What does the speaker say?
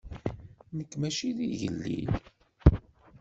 Nekk maci d igellil.